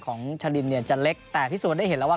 ของชะลินเนี่ยจะเล็กแต่พิสูจน์ได้เห็นแล้วว่า